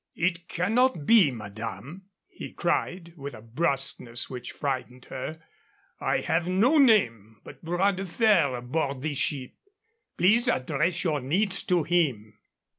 "It cannot be, madame," he cried, with a brusqueness which frightened her. "I have no name but Bras de Fer aboard this ship. Please address your needs to him."